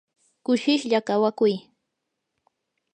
kushishlla kawakuy.